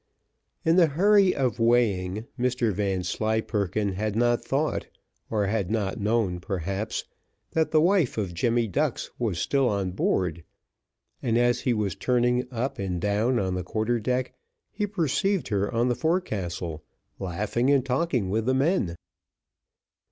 In the hurry of weighing, Mr Vanslyperken had not thought, or had not known perhaps, that the wife of Jemmy Ducks was still on board, and as he was turning up and down on the quarter deck, he perceived her on the forecastle, laughing and talking with the men.